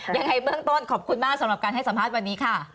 ยังไงเบื้องต้นขอบคุณมากสำหรับการให้สัมภาษณ์วันนี้ค่ะ